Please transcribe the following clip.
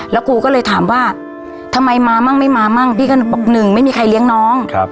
แล้วกูก็เลยถามว่าทำไมมามั่งไม่มามั่งพี่ก็บอกหนึ่งไม่มีใครเลี้ยงน้อง